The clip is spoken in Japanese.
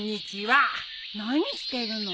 何してるの？